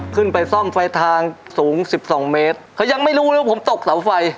ขึ้นไปซ่อมไฟทางสูงสิบสองเมตรเขายังไม่รู้เลยว่าผมตกเสาไฟ